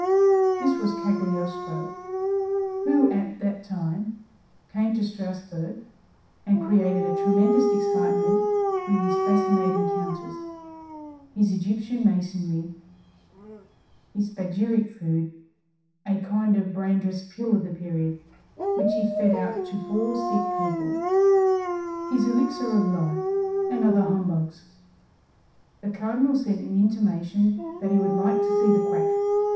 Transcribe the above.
This was Cagliostro, who at that time came to Strasburg and created a tremendous excitement with his fascinating Countess, his Egyptian masonry, his Spagiric Food (a kind of Brandreth's pill of the period,) which he fed out to poor sick people, his elixir of life, and other humbugs. The Cardinal sent an intimation that he would like to see the quack.